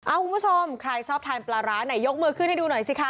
คุณผู้ชมใครชอบทานปลาร้าไหนยกมือขึ้นให้ดูหน่อยสิคะ